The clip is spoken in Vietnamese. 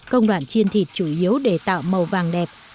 công đoạn chiên thịt chủ yếu để tạo màu vàng đẹp